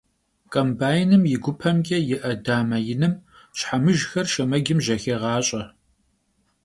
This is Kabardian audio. Kombaynım yi gupemç'e yi'e dame yinım şhemıjjxer şşemecım jexêğaş'e.